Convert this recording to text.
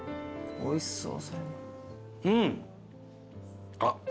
おいしそう。